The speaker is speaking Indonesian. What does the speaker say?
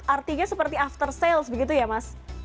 artinya seperti after sales begitu ya mas